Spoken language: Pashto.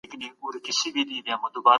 بهرنۍ پالیسي د روښانه ژوند لپاره ده.